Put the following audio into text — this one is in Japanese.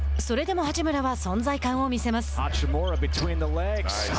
それでも八村は存在感を見せます。